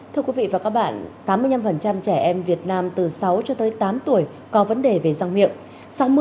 thưa quý vị và các bạn tám mươi năm trẻ em việt nam từ sáu cho tới tám tuổi có vấn đề về răng miệng